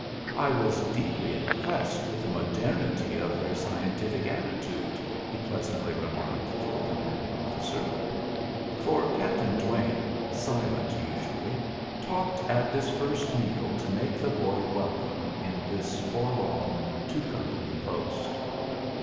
"I was deeply impressed with the modernity of their scientific attitude," he pleasantly remarked to the commanding officer. For Captain Duane, silent usually, talked at this first meal to make the boy welcome in this forlorn two company post.